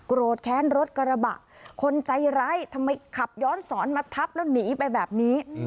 โรธแค้นรถกระบะคนใจร้ายทำไมขับย้อนสอนมาทับแล้วหนีไปแบบนี้